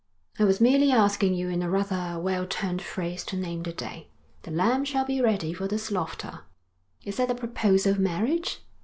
'I was merely asking you in a rather well turned phrase to name the day. The lamb shall be ready for the slaughter.' 'Is that a proposal of marriage?'